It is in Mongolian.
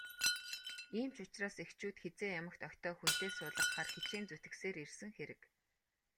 Ийм ч учраас эхчүүд хэзээ ямагт охидоо хүнтэй суулгахаар хичээн зүтгэсээр ирсэн хэрэг.